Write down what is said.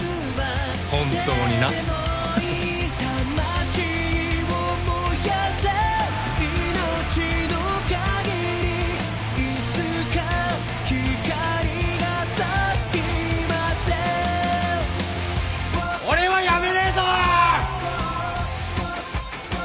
本当にな。俺は辞めねえぞ！